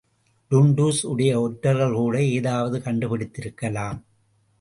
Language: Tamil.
டுன்டுஷ் உடைய ஒற்றர்கள்கூட ஏதாவது கண்டு பிடித்திருக்கலாம்.